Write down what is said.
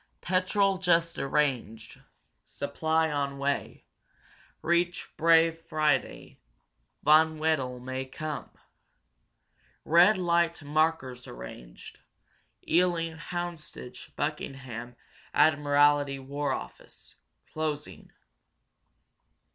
"Petrol just arranged. Supply on way. Reach Bray Friday. Von Wedel may come. Red light markers arranged. Ealing Houndsditch Buckingham Admiralty War Office. Closing."